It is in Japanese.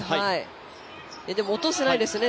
でも落としてないですね